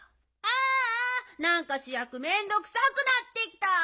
ああなんかしゅやくめんどくさくなってきた！